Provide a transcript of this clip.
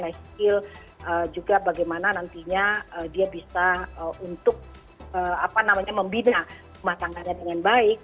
life skill juga bagaimana nantinya dia bisa untuk membina rumah tangganya dengan baik